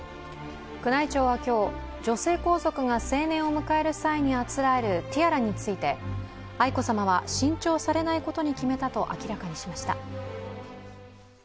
宮内庁は今日、女性皇族が成年を迎える際にあつらえるティアラについて、愛子さまは新調されないことに決めたと明らかにしました。